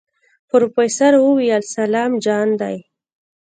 پروفيسر وويل سلام جان دی.